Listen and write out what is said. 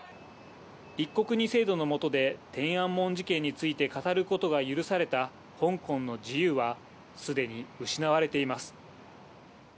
一国に制度の下で、天安門事件について語ることが許された香港の自由は、すでに失われています。